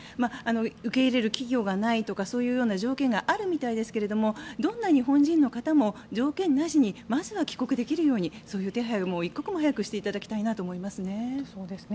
受け入れる企業がないとかそういう条件があるみたいですがどんな日本人の方も条件なしにまずは帰国できるようにそういう手配を一刻も早くしていただきたいなと思いますね。